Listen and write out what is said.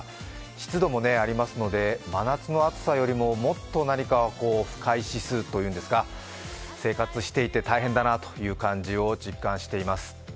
湿度もありますので真夏の暑さよりももっと何か不快指数というんですか、生活していて大変だなという感じを実感しています。